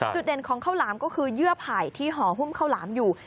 เด่นของข้าวหลามก็คือเยื่อไผ่ที่ห่อหุ้มข้าวหลามอยู่